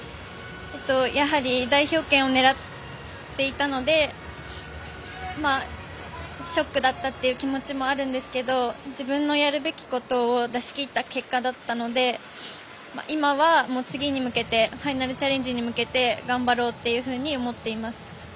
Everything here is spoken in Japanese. やはり代表権を狙っていたのでショックだったという気持ちもあるんですけど自分のやるべきことを出し切った結果だったので今は次に向けてファイナルチャレンジに向けて頑張ろうと思っています。